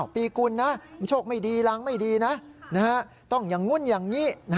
ปีกุลนะโชคไม่ดีรังไม่ดีนะต้องอย่างนู้นอย่างนี้